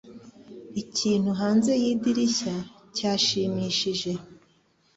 Ikintu hanze yidirishya cyashimishije